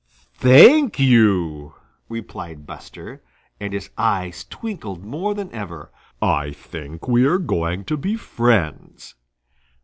"Thank you," replied Buster, and his eyes twinkled more than ever. "I think we are going to be friends."